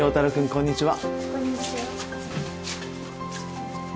こんにちは。